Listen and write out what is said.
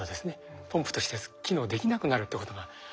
ポンプとして機能できなくなるってことがありまして。